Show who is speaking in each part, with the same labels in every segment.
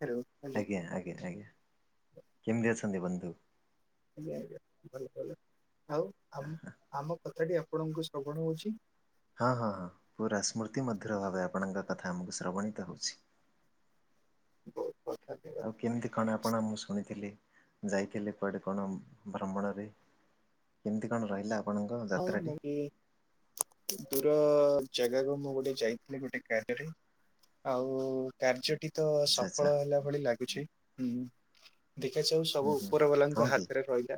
Speaker 1: Hello hello
Speaker 2: ଆଜ୍ଞା ଆଜ୍ଞା ଆଜ୍ଞା କେମିତି ଅଛନ୍ତି ବନ୍ଧୁ?
Speaker 1: ଭଲ ଭଲ। ଆଉ ଆମ କଥାଟି ଆପଣଙ୍କୁ ଶ୍ରବଣ ହୋଉଛି?
Speaker 2: ହଁ ହଁ ହଁ ପୁରା ସ୍ମୃତି ମଧ୍ୟୁର ଭାବେ ଆପଣଙ୍କ କଥା ଆମକୁ ଶ୍ରବଣିତ ହୋଉଛି।
Speaker 1: ହ
Speaker 2: ଆଉ କେମିତି କଣ ଆପଣ ମୁଁ ଶୁଣିଥିଲି ଯାଇଥିଲେ କୁଆଡେ କଣ ଭ୍ରମଣରେ କେମିତି କଣ ରହିଲା? ଆପଣଙ୍କ
Speaker 1: ହଁ
Speaker 2: ଯାତ୍ରାଟି?
Speaker 1: ମୁଁ କି ଦୂର ଜାଗାକୁ ମୁଁ ଗୋଟେ ଯାଇଥିଲି ଗୋଟେ [unintelligible] ଆଉ କାର୍ଯ୍ୟଟି ତ
Speaker 2: ଆଚ୍ଛା ଆଚ୍ଛା
Speaker 1: ସଫଳ ହେଲା ଭଳି ଲାଗୁଛି, ହୁଁ। ଦେଖାଯାଉ ସବୁ
Speaker 2: ହୁଁ ହୁଁ
Speaker 1: ଉପର ବାଲାଙ୍କ
Speaker 2: ହଁ କି
Speaker 1: ହାତରେ ରହିଲା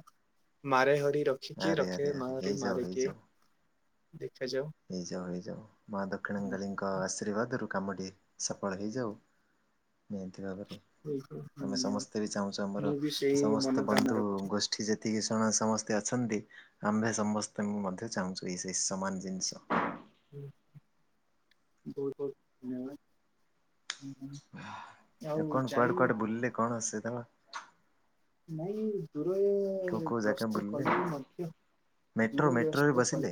Speaker 1: ମାରେ ହରି ରଖି କିଏ
Speaker 2: ଆରେ
Speaker 1: ରଖେ
Speaker 2: ଆରେ
Speaker 1: ମା
Speaker 2: ଆରେ ହେଇଯାଉ
Speaker 1: ମାରେ କିଏ,
Speaker 2: ହେଇଯାଉ।
Speaker 1: ଦେଖାଯାଉ।
Speaker 2: ହେଇଯାଉ ହେଇଯାଉ ମା ଦକ୍ଷିଣ କାଳୀଙ୍କ ଆଶୀର୍ବାଦ। ରୁ କାମଟି ସଫଳ ହେଇଯାଉ ନିହାତି ଭାବରେ।
Speaker 1: ହୁଁ
Speaker 2: ଆମେ ସମସ୍ତେ ବି ଚାହୁଁଚୁ
Speaker 1: ମୁଁ
Speaker 2: ଆମର
Speaker 1: ବି ସେଇ
Speaker 2: ସମସ୍ତ
Speaker 1: ମନୋକାମନା
Speaker 2: ବନ୍ଧୁ
Speaker 1: ରଖିଛି।
Speaker 2: ଗୋଷ୍ଠୀ ଯେତିକି ଜଣେ ସମସ୍ତେ ଅଛନ୍ତି ଆମ୍ଭେ ସମସ୍ତଙ୍କୁ ମଧ୍ୟ ଚାହୁଁଚୁ ଏଇ ସେଇ ସମାନ ଜିନିଷ।
Speaker 1: ବହୁତ ବହୁତ ଧନ୍ୟବାଦ। ଆଉ
Speaker 2: ଆପ କଣ କୁଆଡେ
Speaker 1: ଯାଇ
Speaker 2: କୁଆଡେ ବୁଲିଲେ ସେ ଦଳ।
Speaker 1: ନାଇଁ ଦୁ [unintelligible]
Speaker 2: ଜାଗା
Speaker 1: ଗ୍ରସ୍ତ
Speaker 2: ବୁଲିଲେ
Speaker 1: କଲେ ମଧ୍ୟ
Speaker 2: ମେଟ୍ରୋ ମେଟ୍ରୋରେ
Speaker 1: ଦୂରଗ୍ରସ୍ତ କଲେ।
Speaker 2: ବସିଲେ?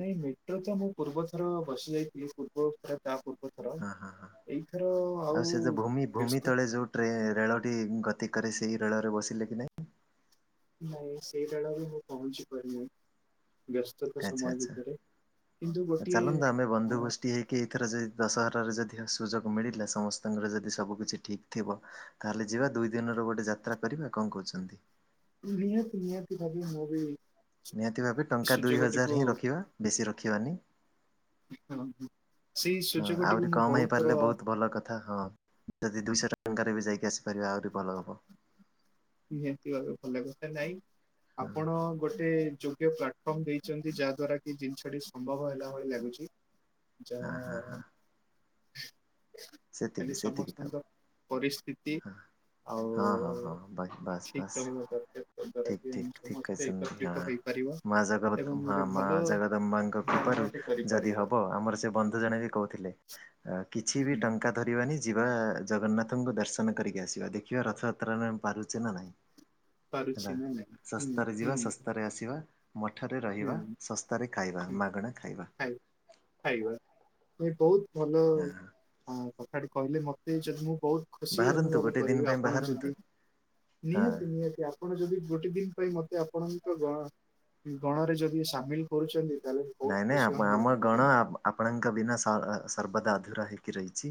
Speaker 1: ନାଇଁ ମେଟ୍ରୋ ତ ମୁଁ ପୂର୍ବ ଥର ବସି ଯାଇଥିଲି ପୂର୍ବ ଥର ଟା
Speaker 2: ହଁ ହଁ ହଁ ଆଉ ସେ ଯୋ ଭୂମି ଭୂମି
Speaker 1: ବ୍ୟସ୍ତ
Speaker 2: ତଳେ ଯୋଉ ଟ୍ରେ ରେଳଟି ଗତି କରେ ସେଇ ରେଳରେ ବସିଲେ କି ନାଇଁ।
Speaker 1: ନାଇଁ ସେଇଟା ଡ ବି ମୁଁ ପହଞ୍ଚି ପାରୁନି। ବ୍ୟସ୍ତତା
Speaker 2: ଆଚ୍ଛା
Speaker 1: ସମୟ
Speaker 2: ଆଚ୍ଛା।
Speaker 1: ଭିତରେ କିନ୍ତୁ ଗୋଟିଏ ଅ
Speaker 2: ଏଥର ଯଦି ଦଶହରାରେ ଯଦି ସୁଯୋଗ ମିଳିଲା ସମସ୍ତଙ୍କର ଯଦି ସବୁ କିିଛି ଠିକ୍ ଥିବ, ତାହେଲେ ଯିବା ଦୁଇଦିନ ର ଗୋଟେ ଯାତ୍ରା କରିବା, କଣ କହୁଛନ୍ତି?
Speaker 1: ନିହାତି ନିହାତି ଭାବେ ମୁଁ ବି
Speaker 2: ନିହାତି ଭାବେ ଟଙ୍କା ଦୁଇ
Speaker 1: ସୁଯୋଗଟିକୁ
Speaker 2: ହଜାର ହିଁ ରଖିବା, ବେଶୀ ରଖିବାନି।
Speaker 1: [unintelligible] କରନ୍ତୁ।
Speaker 2: ହଁ ଆହୁରି କମ ହେଇପାରିଲେ ବହୁତ ଭଲ କଥା, ହଁ ଯଦି ଦୁଇଶ ଟଙ୍କାରେ ବି ଯାଇ କିି ଆସପାରିବା ଆହୁରି ଭଲ ହବ।
Speaker 1: ନିହାତି ଭାବେ ଭଲ ଲାଗିବ ନା ନାଇଁ।
Speaker 2: ହଁ
Speaker 1: ଆପଣ ଗୋଟେ ଯୋଗ୍ୟ ପ୍ଲାଟଫର୍ମ ଦେଇଚନ୍ତି, ଯାହା ଦ୍ଵାରା କି ଜିନିଷଟି ସମ୍ଭବ ହେଲା ଭଳି ଲାଗୁ ଚି ଯା
Speaker 2: ହଁ ହଁ ହଁ। ସେତିକି
Speaker 1: ଖାଲି
Speaker 2: ସେତିକି ଥାଉ
Speaker 1: ସମସ୍ତଙ୍କ ପରିସ୍ଥିତି
Speaker 2: ହଁ ହଁ ହଁ
Speaker 1: ଆଉ
Speaker 2: ହଁ ବାସ୍
Speaker 1: ଠିକ
Speaker 2: ବାସ୍
Speaker 1: ରହିବା ଦରକାର ଯ ଦ୍ଵାରା
Speaker 2: ଠିକ୍
Speaker 1: କି ଆମେ
Speaker 2: ଠିକ୍ ଠିକ୍
Speaker 1: ସମସ୍ତେ
Speaker 2: କହିଛନ୍ତି ହଁ।
Speaker 1: ଏକତ୍ରିତ ହେଇପାରିବା
Speaker 2: ମା ଜଗତ
Speaker 1: ଏବଂ
Speaker 2: ହଁ
Speaker 1: ଗୋଟେ
Speaker 2: ମା
Speaker 1: ଭଲ
Speaker 2: ଜଗଦମ୍ୱାଙ୍କ କୃପାରୁ
Speaker 1: ଭ୍ରମଣଟେ
Speaker 2: ଯଦି
Speaker 1: କରିପାରିବା
Speaker 2: ହବ ଆମର ସେ ବନ୍ଧୁ ଜଣେ ବି କହୁଥିଲେ କି ଛି
Speaker 1: ହୁଁ
Speaker 2: ବି
Speaker 1: ହୁଁ
Speaker 2: ଟଙ୍କା ଧରିବାନି ଯିବା ଜଗନ୍ନାଥଙ୍କୁ ଦର୍ଶନ କରିକି ଆସିବା ଦେଖିବା ରଥଯାତ୍ରାରେ ଆମେ ପାରୁଛେ ନା ନାହିଁ।
Speaker 1: ପାରୁଛି
Speaker 2: ହେଲା
Speaker 1: ନା ନାଇଁ ହୁଁ
Speaker 2: ଶସ୍ତାରେ ଯିବା
Speaker 1: ହୁଁ
Speaker 2: ଶସ୍ତାରେ ଆସିବା। ମଠରେ ରହିବା,
Speaker 1: ହୁଁ
Speaker 2: ଶସ୍ତାରେ ଖାଇବା,
Speaker 1: ହୁଁ
Speaker 2: ମାଗଣା ଖାଇବା।
Speaker 1: ଖାଇ ଖାଇବା ମୁଁ ଏ ବହୁତ ଭଲ
Speaker 2: ହଁ
Speaker 1: ଅଁ କଥାଟି କହିଲେ ମତେ ଯଦି ମୁଁ ବହୁତ ଖୁସି
Speaker 2: ବାହାରନ୍ତୁ
Speaker 1: ଅନୁଭବ
Speaker 2: ଗୋଟେ ଦିନ
Speaker 1: କରିବି
Speaker 2: ପାଇଁ
Speaker 1: ଆପଣ
Speaker 2: ବାହାରନ୍ତୁ
Speaker 1: ଯଦି
Speaker 2: ହଁ
Speaker 1: ନିହାତି ନିହାତି ଆପଣ ଯଦି ଗୋଟେ ଦିନ ପାଇଁ ମ ତେ ଆପଣଙ୍କ ଗଣ ଗଣରେ ଯଦି ସାମିଲ କରୁଛନ୍ତି ତାହେଲେ ମୁଁ ବହୁତ
Speaker 2: ନାଇଁ ନାଇଁ
Speaker 1: ଖୁସି
Speaker 2: ଆପ
Speaker 1: ଅନୁଭବ
Speaker 2: ଆମ ଗଣ
Speaker 1: କରିବି
Speaker 2: ଆପ ଆପଣଙ୍କ ବିନା ସ-ଅ-ର ସର୍ବଦା ଅଧ ଧୁରା ହେଇକି ରହିଛି।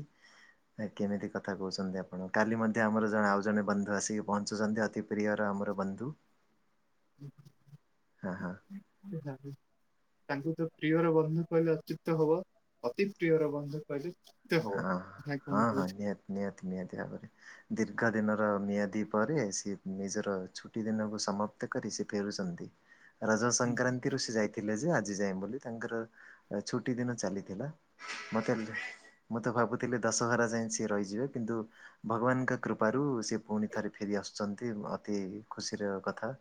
Speaker 2: କେମିତି କଥା କହୁଛନ୍ତି ଆପଣ କାଲି ମଧ୍ୟ ଆମର ଜଣେ ଆଉ ଜଣେ ବନ୍ଧୁ ଆସିକି ପହଞ୍ଚୁଛନ୍ତି ଅତି ପ୍ରିୟର ଆମର ବନ୍ଧୁ।
Speaker 1: [unintelligible]
Speaker 2: ହଁ ହଁ
Speaker 1: ତାଙ୍କୁ ତ ପ୍ରିୟର ବନ୍ଧୁ କହିଲେ ଅଚୁତ ହବ, ଅତି ପ୍ରିୟର ବନ୍ଧୁ କହିଲେ ହବ
Speaker 2: ହଁ
Speaker 1: ନା କଣ
Speaker 2: ହଁ ହଁ
Speaker 1: କହୁଛନ୍ତି?
Speaker 2: ନିହାତି ନିହାତି ନିହାତି ଭାବରେ ଦୀର୍ ର୍ଘ ଦିନର ମିଆଦି ପରେ ସେ ନିଜର ଛୁଟି ଦିନକୁ ସମାପ୍ତ କରି ସେ ଫେରୁଛନ୍ତି। ରଜ ସଂକ୍ରାନ୍ତିରୁ ସେ ଯାଇଥିଲେ ଯେ, ଆ ଆଜିଯାଏ ବୋଲି ତାଙ୍କର ଛୁଟି ଦିନ ଚାଲିଥିଲା, ମତେ ମୁଁ ତ ଭାବୁଥିଲି ଦଶହରା ଯାଏ ସିଏ ରହିଯିବେ କିନ୍ତୁ ଭଗବାନଙ୍କ କୃପାରୁ ସିଏ ପୁଣି ଥରେ ଫେରିଆସୁ ଆସୁଚନ୍ତି ଅତି ଖୁସିର କଥା।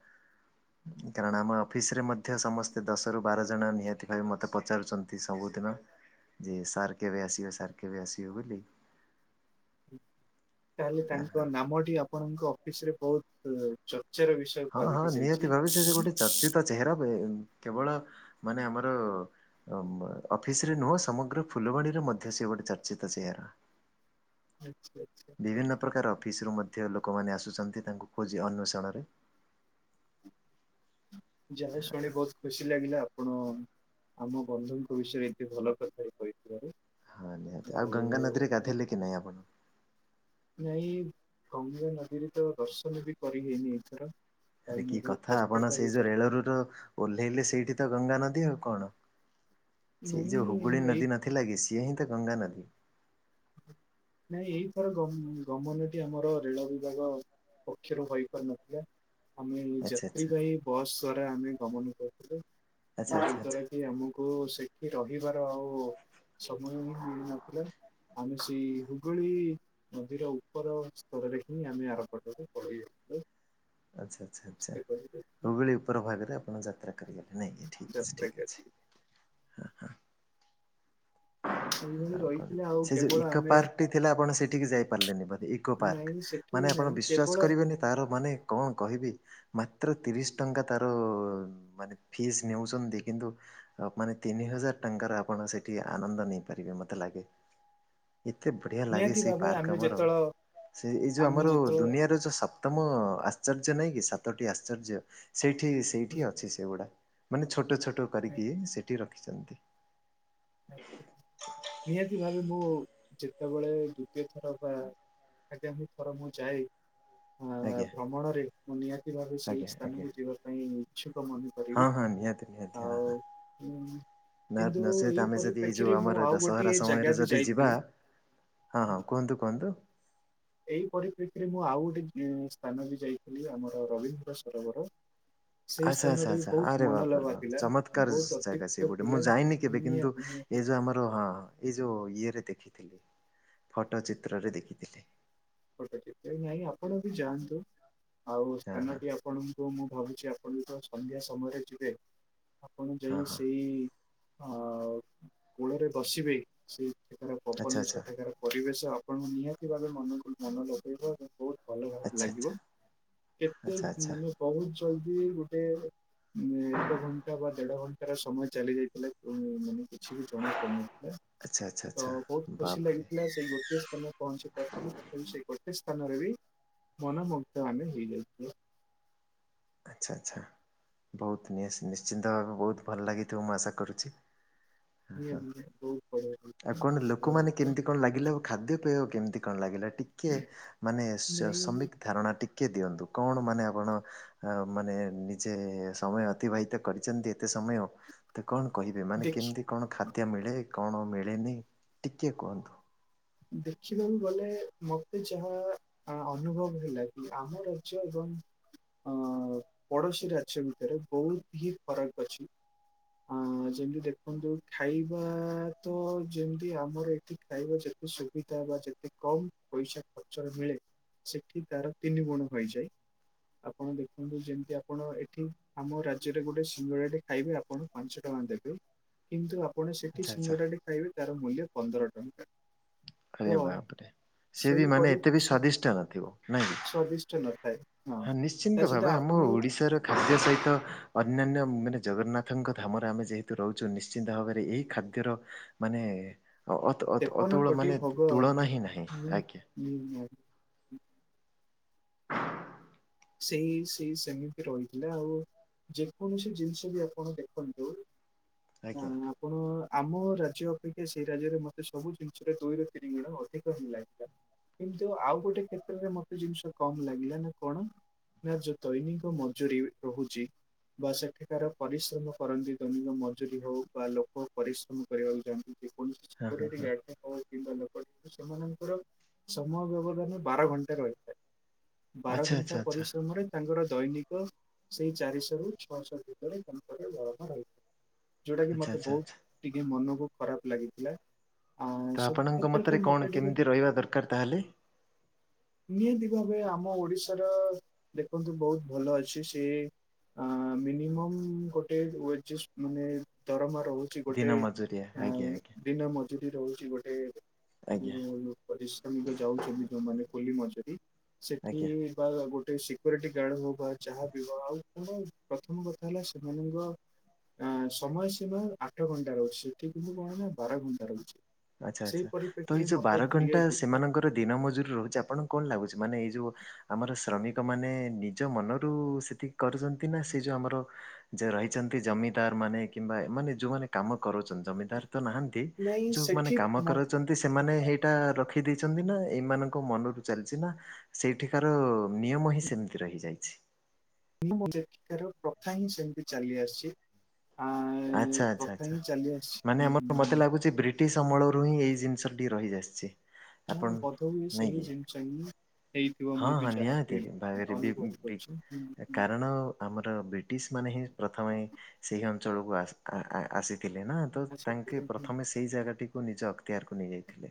Speaker 2: କାରଣ ଆମ ଅଫିସରେ ମଧ୍ୟ ସମସ୍ତେ ଦଶ ରୁ ବାର ଜଣ ନିହାତି ଭାବେ ମତେ ପଚାରୁଚନ୍ତି ସବୁ ନ ଯେ ସାର କେବେ ଆସିବ ସାର କେବେ ଆସିବେ ବୋଲି
Speaker 1: ତାହେଲେ
Speaker 2: ହଁ।
Speaker 1: ତାଙ୍କ ନାମଟି ଆପଣଙ୍କ ଅଫିସ ରେ ବହୁତ ଚ
Speaker 2: ହଁ ହଁ ନିହାତି ଭାବେ ସେ ଗୋଟେ ଚର୍ଚିତ ଚେହେରା କେବଳ ମାନେ ଆମର ବ ଅଫିସ ରେ ନୁହଁ ସମଗ୍ର ଫୁଲବାଣୀରେ ମଧ୍ୟ ସେ ଗୋଟେ ଚର୍ଚିତ ଚେହେରା।
Speaker 1: ଆଚ୍ଛା ଆଚ୍ଛା।
Speaker 2: ବିଭିନ୍ନ ପ୍ରକାର ଅଫିସରୁୁ ମଧ୍ୟ ଲୋକ ଲୋକମାନେ ଆସୁଚନ୍ତି ତାଙ୍କୁ ଖୋଜି ଅନ୍ୱେଷଣରେ
Speaker 1: ଯା ହଉ ଶୁଣି ବହୁତ ଖୁସି ଲାଗିଲା ଆପଣ ଆମ ବନ୍ଧୁଙ୍କ ବିଷୟରେ ଏତେ ଭଲ କଥା ହ କହିଥିବାରୁ
Speaker 2: ହଁ ନିହାତି ଆଉ ଗଙ୍ଗା ନଦୀରେ ଗାଧୋଇଲେ କି ନାଇଁ ଆପଣ?
Speaker 1: ନାଇଁ ଗଙ୍ଗା ନଦୀରେ ତ ଦର୍ଶନ ବି କରିହେଇନି ଏଥର।
Speaker 2: ଆରେ
Speaker 1: କାହିଁକି ନା
Speaker 2: କି
Speaker 1: ବହୁତ
Speaker 2: କଥା ଆପଣ
Speaker 1: ବ୍ୟସ୍ତତା
Speaker 2: ସେଇ ଯୋଉ
Speaker 1: ଭିତରେ
Speaker 2: ରେଳରୁ ର ଓହ୍ଲେଇଲେ ସେଇଠି ଗଙ୍ଗା ନଦୀ ଆଉ କଣ ସେଇ ଯୋଉ
Speaker 1: ନାଇଁ
Speaker 2: ହୁଗୁଳି
Speaker 1: ମୁଁ ଏଇ
Speaker 2: ନଦୀ ନଥିଲା କି ସିଏ ହିଁ ଗଙ୍ଗା ନଦୀ।
Speaker 1: ନାଇଁ ଏଇଥର ଗନ୍ ଗଙ୍ଗା ନଦୀ ଆମର ରେଳ ବିଭାଗ ପକ୍ଷରୁ ହୋଇ ପାରି ନଥିଲା ଆମେ
Speaker 2: ଆଚ୍ଛା ଆଚ୍ଛା।
Speaker 1: ଯାତ୍ରୀବାହ ବସ୍ ଦ୍ଵାରା ଆମେ ଗମନ କରୁୁଥିଲୁ।
Speaker 2: ଆଚ୍ଛା
Speaker 1: ଏ
Speaker 2: ଆଚ୍ଛା
Speaker 1: ଯୋଉ
Speaker 2: ଆଚ୍ଛା
Speaker 1: ଦ୍ଵାରା କି ଆମକୁ ସେଠି ରହି ଯିବାର ଆଉ ସମୟ ହିଁ ମିଳିନଥିଲା। ଆମେ ସେଇ ହୁଗୁଳି ନଦୀର ଉପର ସ୍ଥଳରେ ହିଁ ଆମେ ଆରମ୍ଭରୁ ପଳେଇଥିଲୁ।
Speaker 2: ଆଚ୍ଛା ଆଚ୍ଛା ଆଚ୍ଛା ହୁଗଳି ଉପର ଭାଗରେ ଆପଣ ଯାତ୍ରା ଗଲେ ନାଇଁ ଠିକ୍ ଅଛି
Speaker 1: ଯାତ୍ରା
Speaker 2: ଠିକ୍
Speaker 1: କରି
Speaker 2: ଅଛି ହଁ।
Speaker 1: ଏଇଭଳି
Speaker 2: ଆଉ କଣ
Speaker 1: ରହିଥିଲା ଆଉ
Speaker 2: ସେ ଯୋଉ
Speaker 1: କେବଳ
Speaker 2: ଇକୋ
Speaker 1: ଆମେ
Speaker 2: ପାର୍ଟି ଟି ଥିଲା ଆପଣ ସେଠି ଟିକେ ଯାଇ ପାରିଲେନି ବୋଧେ ଇକୋ ପାର୍କ
Speaker 1: ନାଇଁ ସେଠୁ ବି
Speaker 2: ମାନେ ଆପଣ
Speaker 1: ନାଇଁ କେବଳ
Speaker 2: ବିଶ୍ଵାସ କରିବେନି ତାହାର ମାନେ କଣ କହିବି ମାତ୍ର ତିରିଶ ଟଙ୍କା ତାର ମାନେ ଫିସ୍ ନେଉଚନ୍ତି କିନ୍ତୁ ମାନେ ତିନି ହଜାର ଟଙ୍କାର ଆପଣ ସେଠି ଆନନ୍ଦ ନେଇପାରିବେ ମତେ ଲାଗେ। ଏତେ ବଢିଆ ଲାଗେ
Speaker 1: ନିହାତି
Speaker 2: ସେଇ
Speaker 1: ଭାବେ
Speaker 2: ପାର୍କ
Speaker 1: ଆମେ
Speaker 2: ଆମର
Speaker 1: ଯେତେବେଳେ
Speaker 2: ସେ ଏଇ ଯୋଉ
Speaker 1: ଆମେ
Speaker 2: ଆମର ଦୁନିଆର ଯୋଉ ସ ପ୍ତମ ଆଶ୍ଚର୍ଯ୍ୟ ନାଇଁ କି ସାତଟି ଆଶ୍ଚର୍ଯ୍ୟ ସେଇଠି ସେଇଠି
Speaker 1: ଯେତେବେଳେ
Speaker 2: ଅଛି ସେଗୁଡା ମାନେ ଛୋଟ ଛୋଟ କରିକି ସେଠି ରଖିଚନ୍ତି।
Speaker 1: ନିହାତି ଭାବେ ମୁଁ ଯେତେବେଳେ ଦ୍ଵିତୀୟ ଥର ବା ଆଗାମୀ ଥର ମୁଁ ଯାଏ ଅ
Speaker 2: ଆଜ୍ଞା
Speaker 1: ଭ୍ରମଣରେ ମୁଁ ନିହାତି ଭାବେ ସେଇ
Speaker 2: ଆଜ୍ଞା ଆଜ୍ଞା।
Speaker 1: ସ୍ଥାନକୁ ଯିବା ପାଇଁ ଇଚ୍ଛୁକ ମନେ
Speaker 2: ହଁ
Speaker 1: କରିବୁ।
Speaker 2: ହଁ ନିହାତି
Speaker 1: କିନ୍ତୁ
Speaker 2: ନତ ସେତ ଆମେ ଯଦି ଏଇ ଯୋଉ
Speaker 1: ପରିପ୍ରେକ୍ଷୀରେ ମୁଁ
Speaker 2: ଆମର
Speaker 1: ଆଉ
Speaker 2: ଦଶହରା
Speaker 1: ଗୋଟିଏ ଜାଗା
Speaker 2: ସମୟରେ
Speaker 1: ବି
Speaker 2: ଯଦି ଯିବା
Speaker 1: ଯାଇଥିଲି।
Speaker 2: ହଁ ହଁ କୁହନ୍ତୁ କୁହନ୍ତୁ।
Speaker 1: ଏଇ ପରିପ୍ରେକ୍ଷୀରେ ମୁଁ ଆଉ ଗୋଟେ ଉ ସ୍ଥାନ ବି ଯାଇଥିଲି ଆମର ରବୀନ୍ଦ୍ର ସରୋବର। ସେଇ
Speaker 2: ଆଚ୍ଛା ଆଚ୍ଛା
Speaker 1: ସ୍ଥାନଟି
Speaker 2: ଆଛା
Speaker 1: ବହୁତ
Speaker 2: ଆରେ ବାପରେ
Speaker 1: ମନୋଲୋଭା
Speaker 2: ବାପ।
Speaker 1: ଥିଲା
Speaker 2: ଚମତ୍କାର
Speaker 1: ବହୁତ
Speaker 2: ଜାଗା ସେଏ
Speaker 1: ଅତ୍ୟୁକ୍ତ
Speaker 2: ଗୋଟେ ମୁଁ
Speaker 1: ଥିଲା।
Speaker 2: ଯାଇନି କେବେ କିନ୍ତୁ
Speaker 1: ନିହାତି ନିହାତି
Speaker 2: ଏଇ ଯୋଉ ଆମର, ହଁ ଏଇ ଯୋଉ ଇଏରେ ଦେଖିଥିଲି, ଫଟୋ ଚିତ୍ରରେ ଦେଖିଥିଲି।
Speaker 1: [unintelligible] ନାଇଁ ଆପଣ ବି ଯାଆନ୍ତୁ, ଆଉ
Speaker 2: ହଁ ହଁ
Speaker 1: ସ୍ଥାନଟି ଆପଣଙ୍କୁ ମୁଁ ଭାବୁଚି ଆପଣ ଯେତେବେଳେ ସନ୍ଧ୍ୟା ସମୟରେ ଯିବେ, ଆପଣ
Speaker 2: ହଁ
Speaker 1: ଯେଇ
Speaker 2: ହଁ
Speaker 1: ସେଇ ଅ କୂଳରେ ବସିବେ, ସେଇଠାକାର
Speaker 2: ଆଚ୍ଛା
Speaker 1: ପବନ
Speaker 2: ଆଚ୍ଛା
Speaker 1: ସେଠାକାର ପରିବେଶ ଆପଣଙ୍କୁ ନିହାତି ଭାବେ ମନ ମନ ଲଗେଇବ, ଏବଂ ଭଲ ଭାବ
Speaker 2: ଆଚ୍ଛା
Speaker 1: ଲାଗିବ, କେତେ
Speaker 2: ଆଚ୍ଛା। ଆଚ୍ଛା ଆଚ୍ଛା ଆଚ୍ଛା
Speaker 1: ମାନେ ବହୁତ୍ ଜଲଦି ଗୋଟେ ଏକ ଘଣ୍ଟା ବା ଦେଢ ଘଣ୍ଟା ସମୟ ଚାଲି ଯାଇଥିଲା। ଅ ମାନେ କିଛି ବି ଜଣା ପଡୁନଥିଲା।
Speaker 2: ଆଚ୍ଛା
Speaker 1: ତ
Speaker 2: ଆଚ୍ଛା
Speaker 1: ବହୁତ୍ ଖୁସି
Speaker 2: ବାପରେ
Speaker 1: ଲାଗିଥିଲା, ସେଇ ଗୋଟିଏ ସ୍ଥାନରେ ପହଞ୍ଚି ପାରଥିଲି ତ ଗୋଟେ ସ୍ଥାନରେ ବି ମନମୁ୍ଗ୍ଧ ଆମେ ହେଇଯାଇଥିଲୁ।
Speaker 2: ଆଚ୍ଛା ଆଚ୍ଛା। ବହୁତ୍ ନିହା ନି - ନିଶ୍ଚିନ୍ତ ଭାବେ ବହୁତ ଭଲ ଲାଗିଥିବ, ମୁଁ ଆଶା କରୁଚି। ହଁ
Speaker 1: ନିହାତି ନିହାତି ବହୁତ ବଢିଆ
Speaker 2: ଆଉ କଣ
Speaker 1: ହେଇଥିଲା ବହୁତ
Speaker 2: ଲୋକମାନେ
Speaker 1: ଭଲ ହେଇଥିଲା
Speaker 2: କେମିତି କଣ ଲାଗିଲେ ଖାଦ୍ୟ ପେୟ କେମତି କଣ ଲାଗିଲା ଟିକେ ମାନେ ସ
Speaker 1: ନାଇଁ
Speaker 2: ସମିକ୍ ଧାରଣା ଟିକେ ଟିକଏ ଦିଅନ୍ତୁ, କଣ ମାନେ ଆପଣ ଆ ମାନେ ନିଜେ ସମୟ ଅତିବାହିତ କରିଛନ୍ତି ଏତେ ସମୟ ତ କଣ କହିବେ ମାନେ
Speaker 1: ଦେଖି
Speaker 2: କେମିତି କଣ ଖାଦ୍ୟ ମିଳେ କଣ ମିଳେନି ‌ଟିକେ କୁହନ୍ତୁ।
Speaker 1: ଦେଖିବାକୁ ଗଲେ ମତେ ଯାହା ଅନୁଭବ ହେଲା କି ଆମ ରାଜ୍ୟ ଏବଂ [unintelligible] ପଡ଼ୋଶୀ ରାଜ୍ୟ ଭିତରେ ବହୁତ୍ ହିଁ ଫରକ ଅଛି। ଆଁ ଯେମିତି ଦେଖନ୍ତୁ ଖାଇବା ତ ଯେମିତି ଆମର ଏଠି ଖାଇବା [unintelligible] ସୁବିଧା ବା ଯେତେ କମ୍ ପଇସା ଖର୍ଚ୍ଚ ହେଲେ ସେଠି ତାର ତିନି ଗୁଣ ହୋଇଯାଏ। ଆପଣ ଦେଖନ୍ତୁ ଯେମିତି ଆପଣ ଏଠି ଆମ ରାଜ୍ୟରେ ଗୋଟେ ସିଙ୍ଗଡ଼ା ଟେ ଖାଇବେ‌ ଆପଣ ପାଞ୍ଚ ଦେବେ କିନ୍ତୁ ଆପଣ ସେଠି
Speaker 2: ଆଚ୍ଛା ଆଚ୍ଛା
Speaker 1: ସିଙ୍ଗଡ଼ା ଟେ ଖାଇବେ ତାର ମୂଲ୍ୟ ପନ୍ଦର ଟଙ୍କା। ତ
Speaker 2: ଆରେ ବାପ୍ ରେ। ସେବି ମାନେ
Speaker 1: ସେହିପରି
Speaker 2: ଏତେ ବି
Speaker 1: ସେ
Speaker 2: ସ୍ଵାଦିଷ୍ଟ ନଥିବ ନାଇଁ
Speaker 1: ସ୍ଵାଦିଷ୍ଟ ନଥାଏ ହଁ।
Speaker 2: ନିଶ୍ଚିନ୍ତ
Speaker 1: ତା ସହିତ
Speaker 2: ଭାବେ ଆମ
Speaker 1: ଆପଣଙ୍କୁ
Speaker 2: ଓଡ଼ିଶାର ଖାଦ୍ୟ ସହିତ ଅନ୍ୟାନ୍ୟ ମାନେ ଜଗନ୍ନାଥଙ୍କ ଧାମରେ ଆମେ ଯେହେତୁ ରହୁଚୁ ନିଶ୍ଚିନ୍ତ ଭାବରେ ଏଇ ଖାଦ୍ୟର ମାନେ ଅତୁ ଅତୁ
Speaker 1: ତେପନ
Speaker 2: ଅତୁଳ
Speaker 1: କୋଟି
Speaker 2: ମାନେ
Speaker 1: ଭୋଗ
Speaker 2: ତୁଳନା ହିିଁ ନାହିଁ
Speaker 1: ନି-
Speaker 2: ଆଜ୍ଞା।
Speaker 1: [inaudible] ସେଇ ସେଇ ସେମିତି ରହିଥିଲା ଆଉ ଯେକୌଣସି ଜିନିଷ ବି ଆପଣ ଦେଖନ୍ତୁ ନାଁ
Speaker 2: ଆଜ୍ଞା
Speaker 1: ଆପଣ ଆମ ରାଜ୍ୟ ଅପେକ୍ଷା ସେଇ ରାଜ୍ୟରେ ମତେ ସବୁ ଜିନିଷରେ ଦୁଇ ରୁ ତିନି ଗୁଣ ଅଧିକ ଲାଗିଲା। କିନ୍ତୁ ଆଉ ଗୋଟେ କ୍ଷେତ୍ରରେ ମତେ ଜିନିଷ କମ୍ ଲାଗିଲା ନା କଣ ନାଁ ଯୋଉ ଦୈନିକ ମଜୁରୀ ରହୁଛି। ବା ସେଠିକାର ପରିଶ୍ରମ କରନ୍ତି‌ ଦୈନିକ ମଜୁୁରୀ ହଉ ବା ଲୋକ ପରିଶ୍ରମ କରିବାକୁ ଯାନ୍ତି।
Speaker 2: ହଁ ହଁ ହଁ
Speaker 1: [unintelligible] [unintelligible] ସେମାନଙ୍କର ସମୟ ବ୍ୟବଧାନ ବାର ଘଣ୍ଟା ରହିଥାଏ।
Speaker 2: ଆଚ୍ଛା
Speaker 1: ବାରଘଣ୍ଟା
Speaker 2: ଆଚ୍ଛା ଆଚ୍ଛା
Speaker 1: ପରିଶ୍ରମରେ ତାଙ୍କର ଦୈନିକ ସେଇ ଚାରିଶହ ରୁ ଛଅଶହ ଭିତରେ ଦରମା ରହିଥାଏ। ଯୋଉଟା କି
Speaker 2: ଆଚ୍ଛା
Speaker 1: ମତେ
Speaker 2: ଆଚ୍ଛା
Speaker 1: ବହୁତ୍
Speaker 2: ଆଚ୍ଛା।
Speaker 1: ଟିକେ ମନକୁ ଖରାପ ଲାଗିଥିଲା। ଆ
Speaker 2: ତ
Speaker 1: ସବୁ
Speaker 2: ଆପଣଙ୍କ ମତରେ
Speaker 1: କ୍ଷେତ୍ରରେ
Speaker 2: କଣ
Speaker 1: ମତେ ଟିକେ
Speaker 2: କେମିତି ରହିବା ଦରକାର ତାହେଲେ।
Speaker 1: ନିହାତି ଭାବେ ଆମ ଓଡ଼ିଶାର ଦେଖନ୍ତୁ ବହୁତ୍ ଭଲ ଅଛି ସେ ମିନିମମ୍ ଗୋଟେ ଓ୍ବେଜେସ୍ ମାନେ ଦରମା ରହୁଛି
Speaker 2: ଦିନ
Speaker 1: ଗୋଟେ
Speaker 2: ମଜୁରିଆ
Speaker 1: ଅ
Speaker 2: ଆଜ୍ଞା ଆଜ୍ଞା
Speaker 1: ଦିନ ମଜୁ ଏଠି ରହୁଛି ଗୋଟେ
Speaker 2: ଆଜ୍ଞା
Speaker 1: ପରିଶ୍ରମ କୁ ଯାଉଛନ୍ତି ଯୋଉମାନେ କୁଲି ମଜୁରୀ ସେଠି
Speaker 2: ଆଜ୍ଞା।
Speaker 1: ବା ସିକ୍ୟୁରିଟି ଗାର୍ଡ ହଉ ବା ଯାହା ବି ହଉ ଆଉ କଣ ପ୍ରଥମ କଥା ହେଲା ସେମାନଙ୍କ ଆଁ ସମୟ ସୀମା ଆଠ ଘଣ୍ଟା ରହୁଛି ସେଠି କିନ୍ତୁ କଣ ନା ବାର ଘଣ୍ଟା ରହୁଛି।
Speaker 2: ଆଚ୍ଛା
Speaker 1: ସେଇ
Speaker 2: ଆଚ୍ଛା ତ
Speaker 1: ପରିପ୍ରେକ୍ଷୀରେ
Speaker 2: ଏଇ ଯୋଉ
Speaker 1: ମତେ
Speaker 2: ବାର
Speaker 1: ଟିକେ
Speaker 2: ଘଣ୍ଟା
Speaker 1: ଦୁଃଖ
Speaker 2: ସେମାନଙ୍କର ଦିନ ମଜୁରୀ ରହୁଛି ଆପଣଙ୍କୁ କଣ ଲାଗୁଛି ମାନେ ଏଇ ଯୋଉ ଆମର ଶ୍ରମିକ ମାନେ ନିଜ ମନରୁ ସେତିକି କରୁଛନ୍ତି ନା ସେ ଯୋଉ ଆମର ଯେ ରହିଛନ୍ତି ଜମିଦାର ମାନେ କିମ୍ବା ଏମାନେ ଯଉମାନେ କାମ କରୁଛନ୍ତି ଜମିଦାର ତ ନାହାନ୍ତି
Speaker 1: ନାଇଁ
Speaker 2: ଯୋଉମାନେ
Speaker 1: ସେଠି
Speaker 2: କାମ
Speaker 1: ମ
Speaker 2: କରଉଛନ୍ତି ସେମାନେ ସେଇଟା ରଖି ଦେଇଛନ୍ତି ନା ଏଇମାନଙ୍କ ମନରୁ ଚାଲିଛି ନା ସେଇଠିକାର ନିୟମ ହିଁ ସେମିତି। ରହିଯାଇଛି।
Speaker 1: ମୁଁଁ ଯେ ସେଠିକାର ପ୍ରଥା ହିଁ ସେମିତି ଚାଲି ଆସିଛି। ଆ
Speaker 2: ଆଚ୍ଛା ଆଚ୍ଛା
Speaker 1: ପ୍ରଥା
Speaker 2: ଆଚ୍ଛା
Speaker 1: ହିଁ ଚାଲି
Speaker 2: ମାନେ
Speaker 1: ଆସିଛି।
Speaker 2: ଆମର ମତେ ଲାଗୁଛି ବ୍ରି ଟିଶ୍ ଅମଳ ରୁ ହିଁ ଏଇ ଜିନିଷ ଟି ରହିଆସିଛି।
Speaker 1: ହଁ
Speaker 2: ଆପଣ
Speaker 1: ବୋଧହୁଏ
Speaker 2: ନାଇଁ
Speaker 1: ସେହି
Speaker 2: କି
Speaker 1: ଜିନଷ ହିଁ। ହେଇଥିବ
Speaker 2: ହଁ
Speaker 1: ମୁଁ ବି
Speaker 2: ହଁ
Speaker 1: ଯାହା
Speaker 2: ନିହାତି
Speaker 1: ଫିଲ୍
Speaker 2: ଭାବରେ
Speaker 1: ଅନୁଭବ କରୁଛି।
Speaker 2: [unintelligible] କାରଣ ଆମର ବ୍ରିଟିଶ ମା ହିଁ ପ୍ରଥମେ ସେହି ଅଞ୍ଚଳକୁ ଆସି ଆସି ଥିଲେ ନା ତ ତାଙ୍କେ ପ୍ରଥମେ ସେଇ ଜାଗା ଟିକୁ ନିଜ ଅକ୍ତିଆରକୁ ନେଇ ଯାଇଥିଲେ।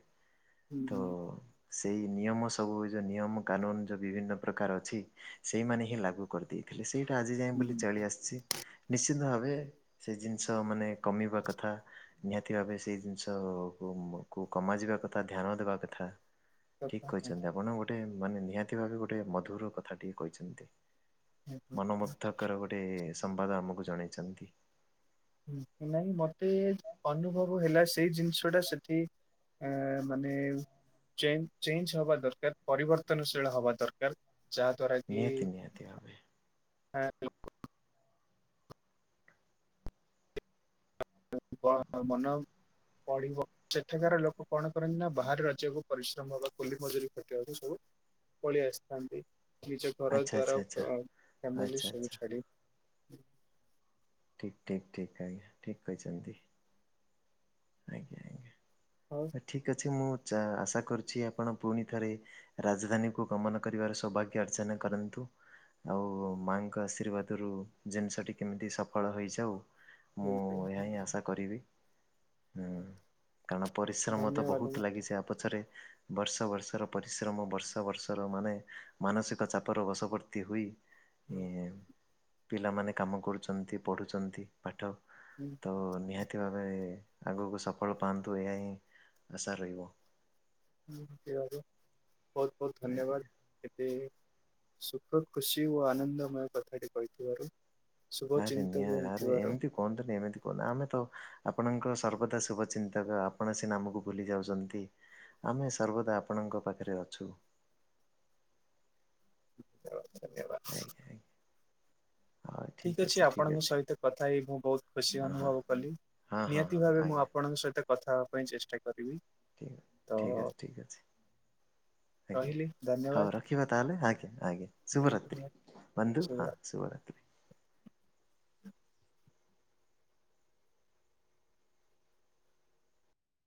Speaker 2: ତ ସେଇ ନିୟମସ ସବୁ ଯୋଉ ନିୟମ କାନୁନ ଯୋଉ ବିଭିନ୍ନ ପ୍ରକାର ଅଛି ସେଇମାନେ ହିଁ ଲାଗୁ କରିଦେଇଥିଲେ ସେଇ ଆଜି ଯାଇଁ ବୋଲି ଚଳି ଆସିଛି ନିଶ୍ଚିନ୍ତ ଭାବେ ସେଇ ଜିନିଷ ମାନେ କମିବା କଥା ନିହାତି ଭାବେ ସେଇ ଜିନିଷକୁ କୁ କମାଯିବ ବା କଥା ଧ୍ୟାନ ଦେବା କଥା। ଠିକ କହିଛନ୍ତି ଆପଣ ଗୋଟେ ମାନେ ନିହାତି ଭାବେ ଗୋଟେ ମଧୁର କଥା ଟିକେ କହିଛନ୍ତି। ମନୋମୁଗ୍ଧକର ଗୋଟେ ସମ୍ବାଦ ଆମକୁ ଜଣେଇଛନ୍ତି।
Speaker 1: ନାଇଁ ମତେ ଅନୁଭବ ହେଲା ସେଇ ଜିନିଷ ଟା ସେଠି ଆ ମାନେ ଚେଞ୍ଜ ଚେଞ୍ଜ ହବା ଦରକାର ପରିବର୍ତ୍ତନଶୀଳ ହବା ଦରକାର। ଯା ଦ୍ୱାରା କି
Speaker 2: ନିହାତି ନିହାତି ଭାବେ
Speaker 1: [unintelligible] କଣ ମନ ପଢିବ। ସେଠାକାର ଲୋକ କଣ କରନ୍ତି ନା ବାହାରେ ରାଜ୍ୟକୁ ପରିଶ୍ରମ ହବା କୁଲି ମଜୁରି ଖଟିବାକୁ ସବୁ ପଳେଇ ଆସିଥାନ୍ତି। ନିଜ ଘର
Speaker 2: ଆଚ୍ଛା ଆଚ୍ଛା
Speaker 1: ଦ୍ୱାରା
Speaker 2: ଆଚ୍ଛା
Speaker 1: ଫ ଫ୍ୟାମିିଲି
Speaker 2: ଆଚ୍ଛା
Speaker 1: ଶବୁ
Speaker 2: ଆଚ୍ଛା।
Speaker 1: ଛାଡି
Speaker 2: ଠିକ ଠିକ ଠିକ ଆଜ୍ଞା ଠିକ କହିଛନ୍ତି।
Speaker 1: ହଉ
Speaker 2: ଠିକ ଅଛି ମୁଁ ଚ୍ଛା ଆଁ ଆଶା କରୁଛି ଆପଣ ପୁଣି ଥରେ ରାଜଧାନୀକୁ ଗମନ କରିବାର ସୌଭାଗ୍ୟ ଅର୍ଜନ କରନ୍ତୁ। ଆଉ ମାଙ୍କ ଆଶୀର୍ବାଦରୁ ଜିନିଷଟି କେମିତି ସଫଳ ହୋଇଯାଉ। ମୁଁ
Speaker 1: ଠିକ
Speaker 2: ଏହା ହିଁ ଆଶା କରିବି ହୁଁ। କାରଣ ପରିଶ୍ରମ ତ
Speaker 1: ଧନ୍ୟବାଦ
Speaker 2: ବହୁତ ଲାଗିଛି ଏହା ପଛରେ ବର୍ଷ ବର୍ଷର ପରିଶ୍ରମ ବର୍ଷ ବର୍ଷର ମାନେ ମାନସିକ ଚାପର ବଶବର୍ତ୍ତୀ ହୋଇ ଏ ପିଲାମାନେ କାମ କରୁଛନ୍ତି ପଢୁଛନ୍ତି ପାଠ ତ ନିହାତି ଭାବେ ଆଗକୁ ସଫଳ ପାଆନ୍ତୁ ଏହା ହିଁ ଆଶା ରହିବ।
Speaker 1: ସେ ବହୁତ ବହୁତ
Speaker 2: ଆଜ୍ଞା।
Speaker 1: ଧନ୍ୟବାଦ। ସେଇ ସୁଖ ଖୁସି ଓ ଆନନ୍ଦମୟ କଥାଟି କହିଥିବାରୁ ଶୁଭ
Speaker 2: ଆରେ
Speaker 1: ଚିନ୍ତକ
Speaker 2: ନିଆ ଆରେ
Speaker 1: ହେଇଥିବାରୁ
Speaker 2: ଏମିତି କୁହନ୍ତୁନି ଏମିତି କୁହନ୍ତୁ ଆମେ ତ ଆପଣଙ୍କ ସର୍ବଦା ଶୁଭଚିନ୍ତକ ଆପଣ ସିନା ଆମକୁ ଭୁଲି ଯାଉଛନ୍ତି। ଆମେ ସର୍ବଦା ଆପଣଙ୍କ ତାଙ୍କ ପାଖରେ ଅଛୁ।
Speaker 1: ଧନ୍ୟବାଦ।
Speaker 2: ଆଜ୍ଞା ଆଜ୍ଞା ହଉ ଠିକ୍
Speaker 1: ଠିକ ଅଛି
Speaker 2: ଠିକ୍
Speaker 1: ଆପଣଙ୍କ
Speaker 2: ଅଛି
Speaker 1: ସହିତ କଥା ହେଇ ମୁଁ ବହୁତ ଖୁସି
Speaker 2: ହଁ ହଁ।
Speaker 1: ଅନୁଭବ କଲି।
Speaker 2: ହଁ ହଁ ହଁ
Speaker 1: ନିହାତି ଭାବେ ମୁଁ
Speaker 2: ଆଜ୍ଞା
Speaker 1: ଆପଣଙ୍କ ସହିତ କଥା ହେବା ପାଇଁ ଚେଷ୍ଟା କରିି
Speaker 2: ଠିକ ଅଛି ଠିକ ଅଛି। ଆଜ୍ଞା
Speaker 1: ରହିଲି? ଧନ୍ୟବାଦ
Speaker 2: ହଉ ରଖିବା ତାହଲେ ଆଜ୍ଞା ଆଜ୍ଞା ଶୁଭ
Speaker 1: ନିହାତି
Speaker 2: ରାତ୍ରୀ
Speaker 1: ନିହାତି
Speaker 2: ବନ୍ଦୁ ହଁ ଶୁଭରାତ୍ରୀ।